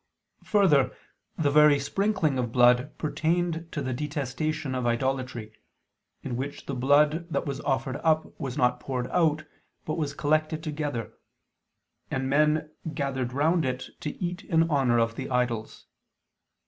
Further, the very sprinkling of blood pertained to the detestation of idolatry, in which the blood that was offered up was not poured out, but was collected together, and men gathered round it to eat in honor of the idols.